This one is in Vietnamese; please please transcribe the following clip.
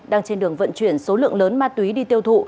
đang trên đường vận chuyển số lượng lớn ma túy đi tiêu thụ